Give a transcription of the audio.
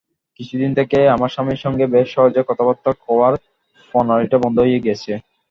কিছুদিন থেকে আমার স্বামীর সঙ্গে বেশ সহজে কথাবার্তা কওয়ার প্রণালীটা বন্ধ হয়ে গেছে।